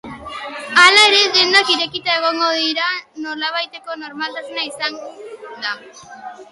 Hala ere, dendak irekita egon dira eta nolabaiteko normaltasuna izan da.